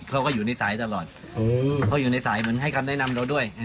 เขาก็อยู่ในสายตลอดเขาอยู่ในสายเหมือนให้คำแนะนำเราด้วย